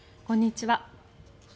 こんにちは。